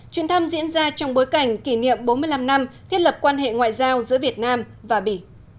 chuyến thăm diễn ra trong bối cảnh kỷ niệm bốn mươi năm năm thiết lập quan hệ ngoại giao giữa việt nam và bỉ